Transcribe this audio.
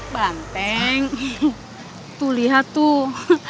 banteng tuh lihat tuh